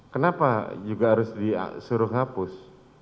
kenapa juga harus disuruh hapus